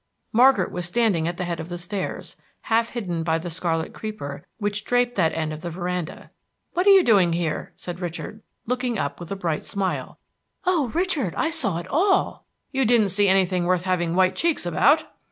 Margaret was standing at the head of the stairs, half hidden by the scarlet creeper which draped that end of the veranda. "What are you doing there?" said Richard looking up with a bright smile. "Oh, Richard, I saw it all!" "You didn't see anything worth having white cheeks about."